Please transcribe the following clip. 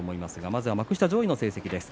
まずは幕下上位の成績です。